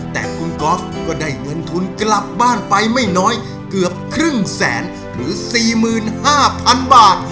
แต่คุณก๊อฟก็ได้เงินทุนกลับบ้านไปไม่น้อยเกือบครึ่งแสนหรือ๔๕๐๐๐บาท